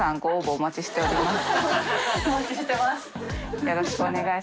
お待ちしております。